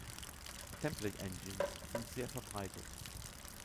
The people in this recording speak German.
Template-Engines sind sehr verbreitet.